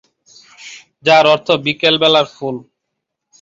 যার অর্থ বিকেল বেলার ফুল।